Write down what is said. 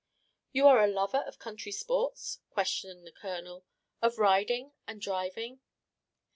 "You are a lover of country sports?" questioned the Colonel; "of riding and driving?"